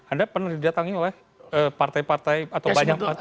anda pernah didatangi oleh partai partai atau banyak partai